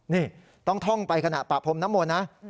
นี่ต้องท่องไปขณะปะพรมน้ำมนต์นะ